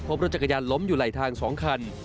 รถจักรยานล้มอยู่ไหลทาง๒คัน